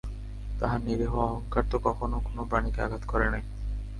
তাহার নিরীহ অহংকার তো কখনো কোনো প্রাণীকে আঘাত করে নাই।